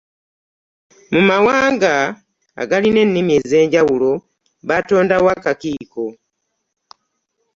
Mu mawanga agalina ennimi ez'enjawulo batondawo akakiiko